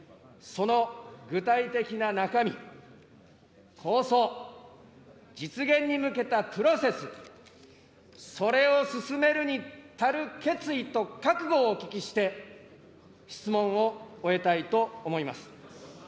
その具体的な中身、構想、実現に向けたプロセス、それを進めるに足る決意と覚悟をお聞きして、質問を終えたいと思います。